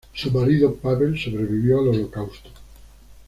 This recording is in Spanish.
Su marido, Pavel, sobrevivió al Holocausto.